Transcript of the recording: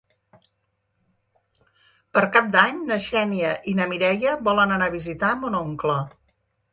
Per Cap d'Any na Xènia i na Mireia volen anar a visitar mon oncle.